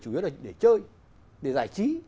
chủ yếu là để chơi để giải trí